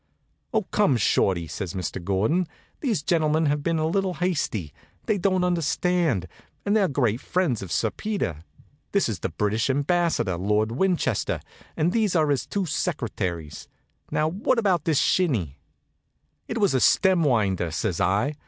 "Oh, come, Shorty," says Mr. Gordon. "These gentlemen have been a little hasty. They don't understand, and they're great friends of Sir Peter. This is the British Ambassador, Lord Winchester, and these are his two secretaries. Now, what about this shinny?" "It was a stem winder," says I.